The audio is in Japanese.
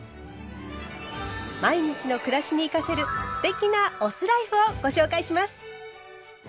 毎日の暮らしに生かせる“酢テキ”なお酢ライフをご紹介します。